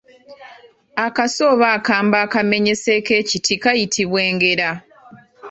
Akaso oba akambe akamenyeseeko ekiti kayitibwa ngera.